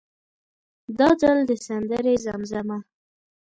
دا ځل د سندرې زمزمه.